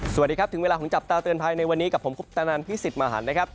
สวัสดีครับถึงเวลาของจับตาเตือนภัยในวันนี้กับผมคุปตนันพี่สิทธิ์มหันนะครับ